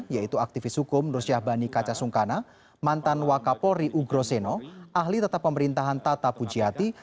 yaitu aktivis hukum nusyah bani kaca sungkana mantan wakapo ri ugroseno ahli tetap pemerintahan tata pujihati